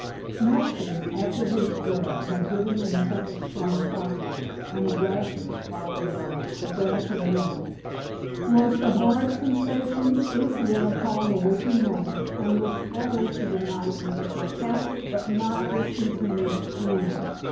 Masters, after his drab had given him a cup of strong coffee and a rasher, followed by a glass of rum, lost the horrid sensations incident upon the waking moment and looked forward to the night with a sardonic but not discontented grin.